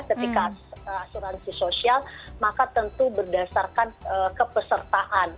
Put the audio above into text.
ketika asuransi sosial maka tentu berdasarkan kepesertaan